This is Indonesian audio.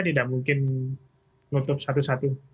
tidak mungkin nutup satu satu